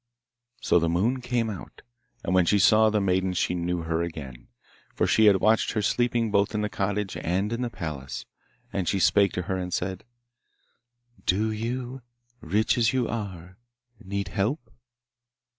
So the Moon came out, and when she saw the maiden she knew her again, for she had watched her sleeping both in the cottage and in the palace. And she spake to her and said: 'Do you, rich as you are, need help?